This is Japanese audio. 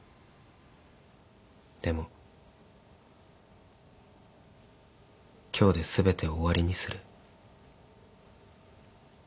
でも今日で全て終わりにする。